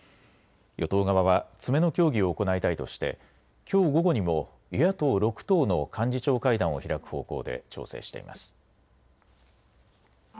与党側は詰めの協議を行いたいとしてきょう午後にも与野党６党の幹事長会談を開く方向で調整しています。